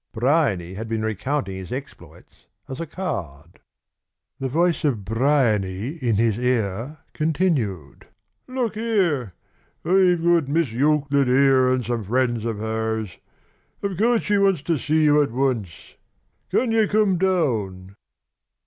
Bryany had been recounting his exploits as a card. The voice of Bryany in his ear continued: "Look here! I've got Miss Euclid here and some friends of hers. Of course she wants to see you at once. Can you come down?"